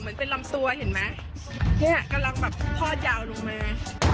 เหมือนเป็นลำตัวเห็นไหมเขากำลังแบบพ่อยาวลงมา